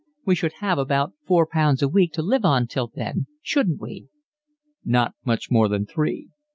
We should have about four pounds a week to live on till then, shouldn't we?" "Not much more than three.